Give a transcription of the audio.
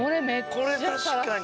これ確かに。